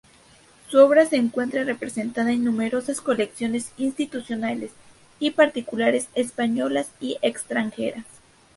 Su obra se encuentra representada en numerosas colecciones institucionales y particulares españolas y extranjeras.